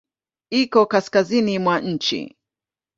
Iko kaskazini mwa nchi.